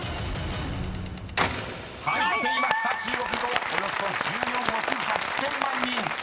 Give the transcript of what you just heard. ［入っていました「中国語」およそ１４億８，０００万人］